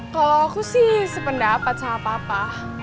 kalau aku sih sependapat sama papa